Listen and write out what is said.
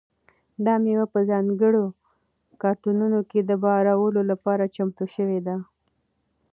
دا مېوې په ځانګړو کارتنونو کې د بارولو لپاره چمتو شوي دي.